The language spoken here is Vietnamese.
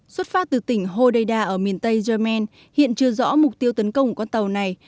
xuất phát từ tỉnh hodeida ở miền tây yemen hiện chưa rõ mục tiêu tấn công của con tàu này